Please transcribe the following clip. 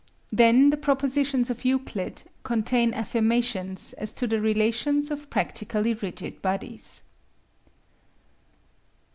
Then the propositions of Euclid contain affirmations as to the relations of practically rigid bodies.